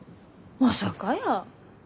まさかやー。